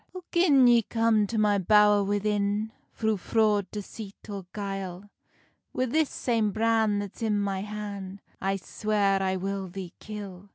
"Oh, gin ye come to my bowr within, Thro fraud, deceit, or guile, Wi this same bran that's in my han I swear I will thee kill."